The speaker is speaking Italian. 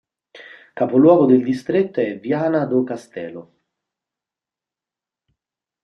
Capoluogo del distretto è Viana do Castelo.